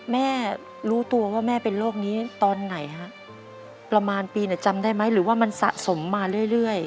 แม่รู้ตัวว่าแม่เป็นโรคนี้ตอนไหนฮะประมาณปีจำได้ไหมหรือว่ามันสะสมมาเรื่อย